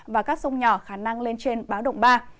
và các sông nhỏ khả năng lên trên báo động ba